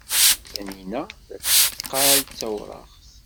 Taninna la tetteqqal d tawraɣt.